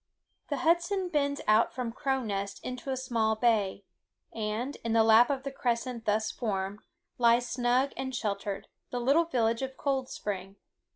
The Hudson bends out from Crow Nest into a small bay; and, in the lap of the crescent thus formed, lies snug and sheltered, the little village of Cold Spring.